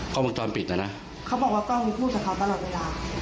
กล้องมีพวกพวกพูดกับเขาตลอดเวลา